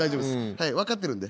はい分かってるんで。